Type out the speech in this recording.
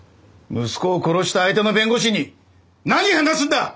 息子を殺した相手の弁護士に何話すんだ！